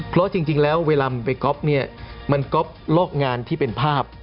เพราะจริงแล้วเวลามันไปก๊อฟเนี่ยมันก๊อปลอกงานที่เป็นภาพ